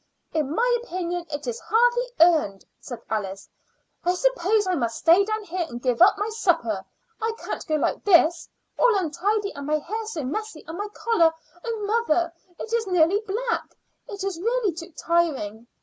"In my opinion, it is hardly earned," said Alice. "I suppose I must stay down here and give up my supper. I can't go like this, all untidy, and my hair so messy, and my collar oh, mother, it is nearly black! It is really too trying."